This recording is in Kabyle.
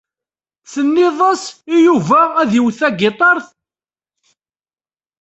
Tenniḍ-as i Yuba ad iwet tagiṭart.